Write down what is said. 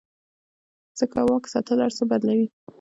ځکه واک ساتل هر څه بدلوي.